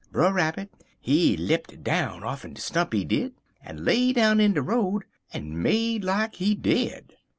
Brer Rabbit, he lipt down off'n de stump, he did, en lay down in de road en make like he dead.